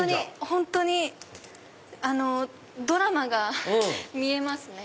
本当にドラマが見えますね。